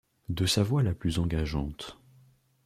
de sa voix la plus engageante.